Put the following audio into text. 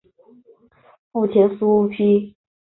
父亲苏玭。